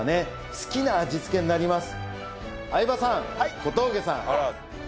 好きな味付けになります。